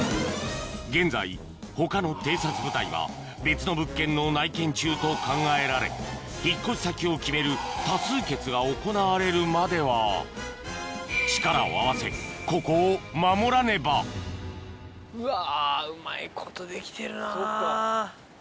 現在他の偵察部隊が別の物件の内見中と考えられ引っ越し先を決める多数決が行われるまでは力を合わせここを守らねばうわ。